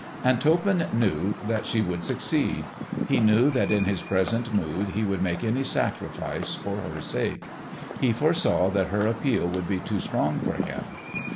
And Toppan knew that she would succeed. He knew that in his present mood he would make any sacrifice for her sake. He foresaw that her appeal would be too strong for him.